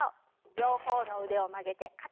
両方の腕を曲げて肩の横に。